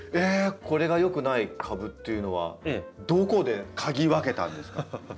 これが良くない株っていうのはどこで嗅ぎ分けたんですか？